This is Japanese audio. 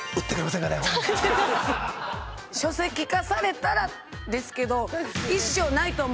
書籍化されたらですけど。